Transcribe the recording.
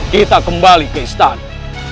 kita kembali ke istana